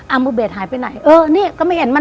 มุเบสหายไปไหนเออนี่ก็ไม่เห็นมัน